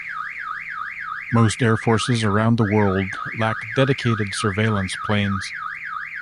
Most air forces around the world lack dedicated surveillance planes.